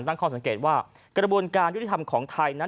ตั้งข้อสังเกตว่ากระบวนการยุติธรรมของไทยนั้น